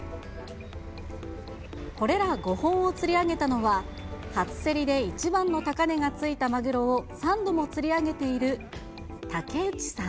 これら５本を釣り上げたのは、初競りで一番の高値が付いたマグロを３度も釣り上げている竹内さん。